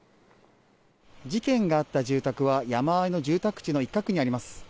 事件があった住宅は山あいの住宅地の一角にあります。